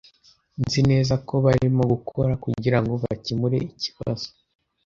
Nzi neza ko barimo gukora kugirango bakemure ikibazo.